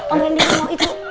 om randy mau itu